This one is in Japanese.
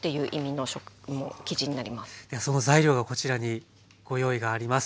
その材料がこちらにご用意があります。